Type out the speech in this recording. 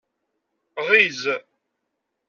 Ɣiz.